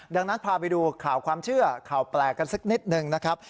ดังนั้นพาไปดูข่าวความเชื่อข่าวแปลกกันสักนิดหนึ่งนะครับ